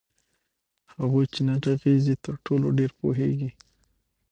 هغوئ چي نه ږغيږي ترټولو ډير پوهيږي